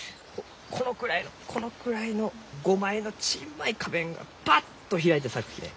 このくらいのこのくらいの５枚のちんまい花弁がパッと開いて咲くきね。